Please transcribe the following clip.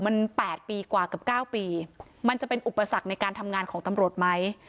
มัน๘ปีกว่ากับ๙ปีมันจะเป็นอุปสรรคในการทำงานของตำรวจไหม